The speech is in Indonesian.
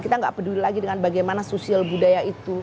kita nggak peduli lagi dengan bagaimana sosial budaya itu